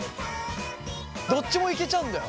どっちもいけちゃうんだよ。